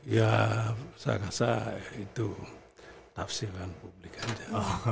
ya saya rasa itu tafsiran publik aja